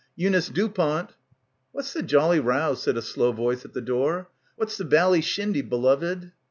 "Eunice Dupont!" "What's the jolly row?" said a slow voice at the door. "Wot's the bally shindy, beloved?"